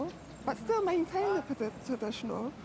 tetapi tetap bertahan sebagai tradisional